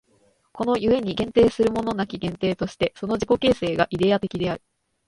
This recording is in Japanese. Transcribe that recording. この故に限定するものなき限定として、その自己形成がイデヤ的である。